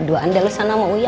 dua anda lu sana sama uya